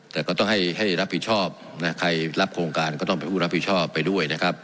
แต่ก็ต้องให้รับผิดชอบนะใครรับโครงการก็ต้องเป็นผู้รับผิดชอบไปด้วยนะครับ